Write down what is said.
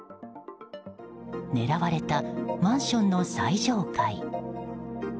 狙われたマンションの最上階。